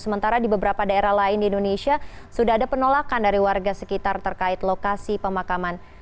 sementara di beberapa daerah lain di indonesia sudah ada penolakan dari warga sekitar terkait lokasi pemakaman